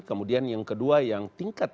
kemudian yang kedua yang tingkat